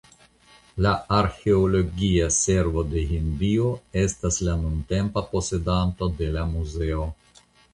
La arĥeologia servo de Hindio estas la nuntempa posedanto de la muzeo.